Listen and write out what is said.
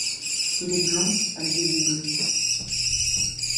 Il est blond avec des yeux bleus.